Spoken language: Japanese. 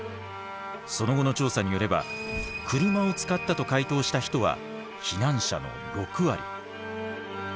その後の調査によれば車を使ったと回答した人は避難者の６割。